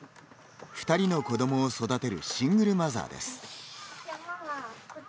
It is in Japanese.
２人の子どもを育てるシングルマザーです。